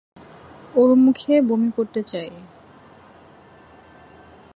ওর মুখে বমি করতে চাই!